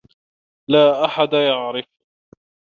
لا أحد يعرف.